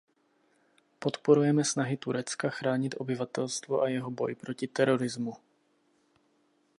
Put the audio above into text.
Podporujeme snahy Turecka chránit obyvatelstvo a jeho boj proti terorismu.